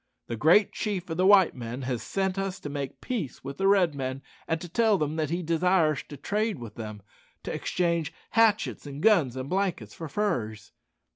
The Great Chief of the white men has sent us to make peace with the Red men, and to tell them that he desires to trade with them to exchange hatchets, and guns, and blankets for furs."